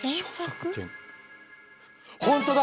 本当だ！